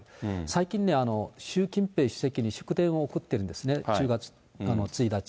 最近ね、習近平主席に祝電を送ってるんですね、１０月１日。